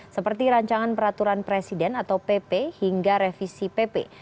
seperti rancangan peraturan presiden atau pp hingga revisi pp